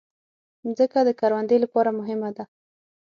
مځکه د کروندې لپاره مهمه ده.